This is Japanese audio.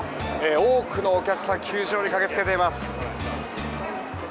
多くのお客さん球場に駆けつけています。